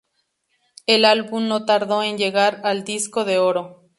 El álbum no tardó en llegar al disco de oro.